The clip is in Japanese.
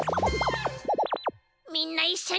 みんないっしょに。